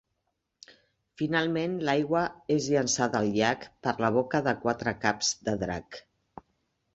Finalment l'aigua és llançada al llac per la boca de quatre caps de drac.